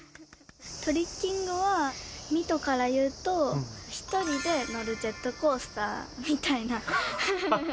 トリッキングは、弥都から言うと、１人で乗るジェットコースターみたいな。